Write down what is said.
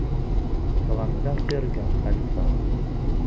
Ffɣent-aɣ tirga mxalfa.